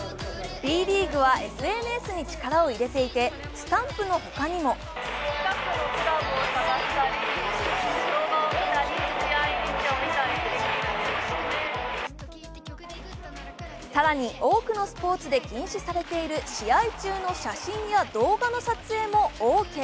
ＢリーグはＳＮＳに力を入れていてスタンプの他にも更に、多くのスポーツで禁止されている試合中の写真や動画の撮影もオーケー。